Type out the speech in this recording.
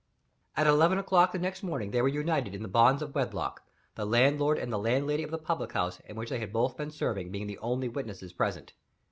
At eleven o'clock the next morning they were united in the bonds of wedlock; the landlord and the landlady of the public house in which they had both served being the only witnesses present.